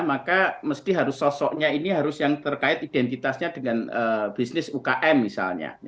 maka mesti harus sosoknya ini harus yang terkait identitasnya dengan bisnis ukm misalnya